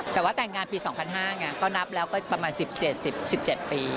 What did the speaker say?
แต่ว่าแต่งงานปี๒๐๐๕ไงก็นับแล้วก็ประมาณ๑๗๑๗ปี